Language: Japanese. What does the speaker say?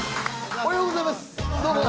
おはようございます！」